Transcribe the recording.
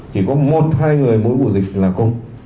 chỉ có một hai người mỗi buổi dịch là cùng